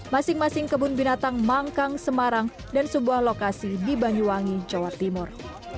masing masing kebun binatang mangkang semarang dan sebuah lokasi di banyuwangi jawa timur